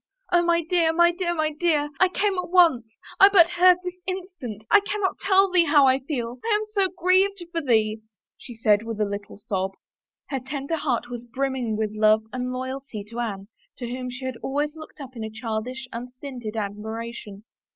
" Oh, my dear, my dear, my dear! I came at once ... I but heard this instant ... I cannot tell thee how I feel. I am so grieved for thee," she said with a little sob. Her tender heart was brimming with love and loyalty to Anne, to whom she had always looked up in childish, unstinted admiration.